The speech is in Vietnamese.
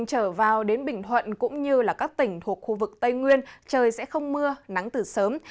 trở vào đến bình thuận cũng như các tỉnh thuộc khu vực tây nguyên trời sẽ không mưa nắng từ sớm